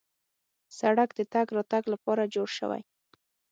سړک د تګ راتګ لپاره جوړ شوی.